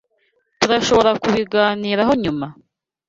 Tturashoborakubiganiraho nyuma?